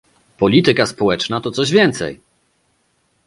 Polityka społeczna to coś więcej!